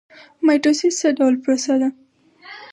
مایټوسیس څه ډول پروسه ده؟